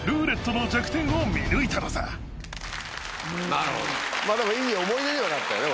なるほどいい思い出にはなったよね